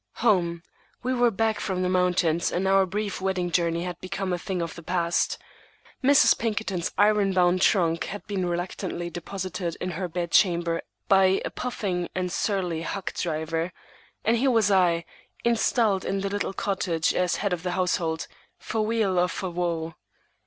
Home! We were back from the mountains, and our brief wedding journey had become a thing of the past. Mrs. Pinkerton's iron bound trunk had been reluctantly deposited in her bed chamber by a puffing and surly hack driver; and here was I, installed in the little cottage as head of the household, for weal or for woe.